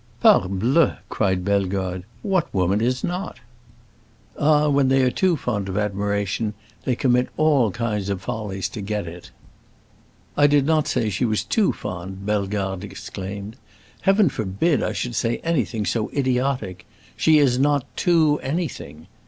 "Parbleu!" cried Bellegarde; "what woman is not?" "Ah, when they are too fond of admiration they commit all kinds of follies to get it." "I did not say she was too fond!" Bellegarde exclaimed. "Heaven forbid I should say anything so idiotic. She is not too anything!